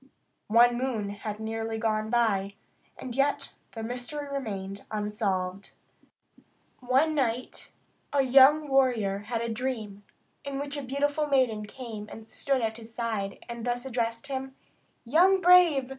One moon had nearly gone by, and yet the mystery remained unsolved. One night a young warrior had a dream, in which a beautiful maiden came and stood at his side, and thus addressed him: "Young brave!